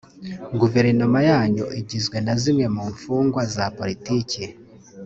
Guverinoma yanyu igizwe na zimwe mu mfungwa za politiki